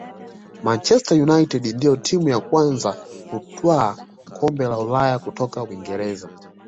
manchester united ndiyo timu ya kwanza kutwaa kombe la ulaya kutoka uingereza